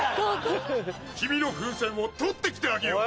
君の風船を取って来てあげよう。